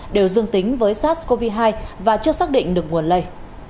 đều dương tính với sars cov hai và chưa xác định được nguồn lây